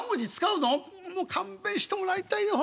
うもう勘弁してもらいたいね